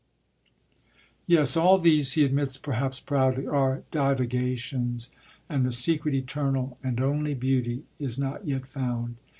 Yes, all these, he admits perhaps proudly, are divagations, and the secret, eternal, and only beauty is not yet found.